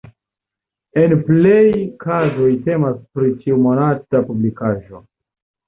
En plej kazoj temas pri ĉiumonata publikaĵo.